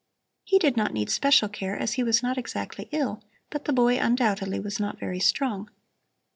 He did not need special care, as he was not exactly ill; but the boy undoubtedly was not very strong.